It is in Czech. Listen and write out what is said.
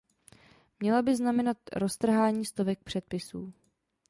Měla by znamenat roztrhání stovek předpisů.